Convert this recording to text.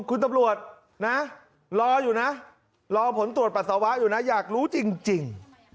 คุณตำรวจนะรออยู่นะรอผลตรวจปัสสาวะอยู่นะอยากรู้จริง